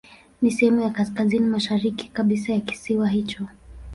Ni sehemu ya kaskazini mashariki kabisa ya kisiwa hicho.